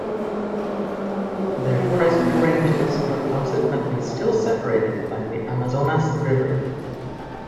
Their present ranges are consequently still separated by the Amazonas river.